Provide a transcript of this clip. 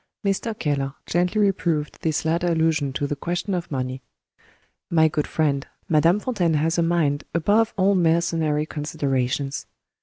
Mr. Keller gently reproved this latter allusion to the question of money. "My good friend, Madame Fontaine has a mind above all mercenary considerations.